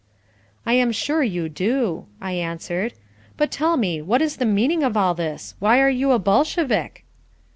"I am sure you do," I answered. "But tell me, what is the meaning of all this? Why are you a Bolshevik?"